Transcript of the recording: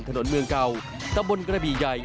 ถนนเมืองเก่าตะบนกระบี่ใหญ่